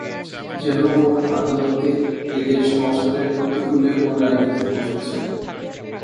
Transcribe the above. যেন ওর আদালতে এদের সংসারের প্রতিকূলে ও রায় দিতে বসেছে।